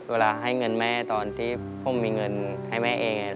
เวลาให้เงินแม่ตอนที่ผมมีเงินให้แม่เอง